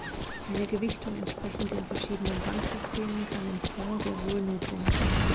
Eine Gewichtung entsprechend den verschiedenen Banksystemen kann im Fonds sehr wohl notwendig sein.